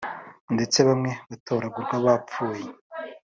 ndetse bamwe batoragurwa bapfuye